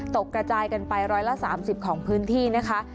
กระจายกันไป๑๓๐ของพื้นที่นะคะ